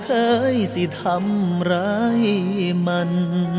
แค่เพียงเกียมตัว